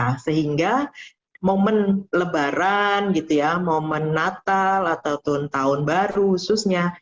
nah sehingga momen lebaran momen natal atau tahun baru khususnya